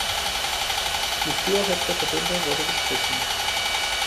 Die frühere dritte Runde wurde gestrichen.